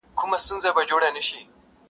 • هغه مجبورېږي او حالت يې تر ټولو سخت کيږي..